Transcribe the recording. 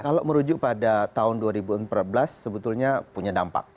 kalau merujuk pada tahun dua ribu empat belas sebetulnya punya dampak